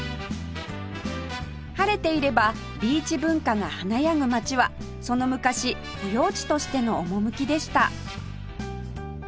晴れていればビーチ文化が華やぐ街はその昔保養地としての趣でした